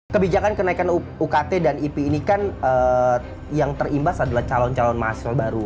kebijakan kenaikan ukt dan ip ini kan yang terimbas adalah calon calon mahasiswa baru